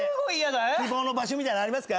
希望の場所みたいのありますか？